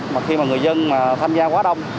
mà khi mà người dân tham gia quá đông